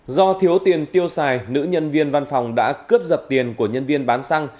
do thiếu tiền tiêu xài nữ nhân viên văn phòng đã cướp giật tiền của nhân viên bán xăng